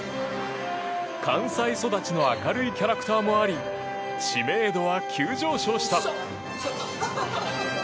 関西育ちの明るいキャラクターもあり知名度は急上昇した。